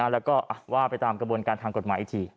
แล้วก็ว่าไปตามกระบวนการทางกฎหมายอีกที